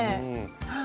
はい。